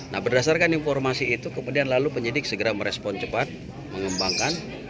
nah berdasarkan informasi itu kemudian lalu penyidik segera merespon cepat mengembangkan